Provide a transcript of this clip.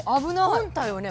本体をね